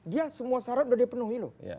dia semua syarat sudah dipenuhi loh